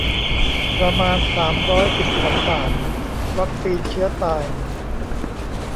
ประมาณ สามร้อยสิบสอง บาท วัคซีนเชื้อตาย